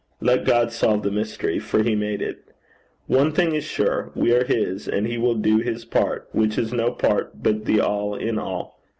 Let God solve the mystery for he made it. One thing is sure: We are his, and he will do his part, which is no part but the all in all.